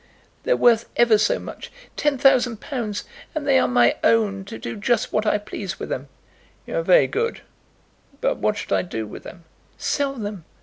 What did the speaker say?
"They're worth ever so much; ten thousand pounds! And they are my own, to do just what I please with them." "You are very good; but what should I do with them?" "Sell them."